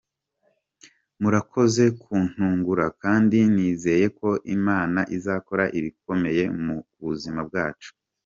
Murakoze kuntungura kandi nizeye ko n’Imana izakora ibikomeye mu buzima bwacu.